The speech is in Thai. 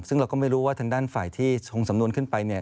ซึ่งเราก็ไม่รู้ว่าทางด้านฝ่ายที่ชงสำนวนขึ้นไปเนี่ย